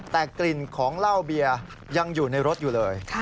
แต่กลิ่นของเหล้าเบียร์ยังอยู่ในรถอยู่เลย